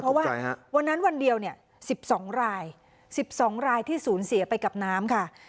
เพราะว่าวันนั้นวันเดียวเนี่ย๑๒ราย๑๒รายที่ศูนย์เสียไปกับน้ำค่ะ